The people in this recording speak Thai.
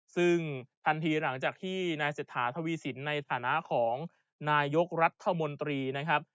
ซึ่งทันทีหลังจากที่นายเศรษฐาทวีสินในฐานะของนายกรัฐมนตรีนะครับ